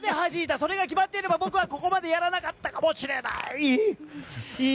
それが決まっていれば僕はここまでやらなかったかもしれない！